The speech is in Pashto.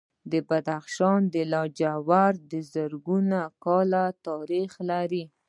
د بدخشان لاجورد زرګونه کاله تاریخ لري